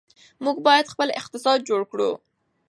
موږ باید خپل اقتصاد جوړ کړو.